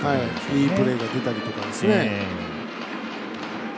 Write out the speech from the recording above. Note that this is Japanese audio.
いいプレーが出たりとかですね。